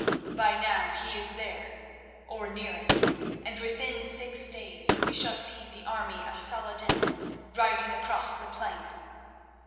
By now he is there, or near it, and within six days we shall see the army of Salah ed din riding across the plain.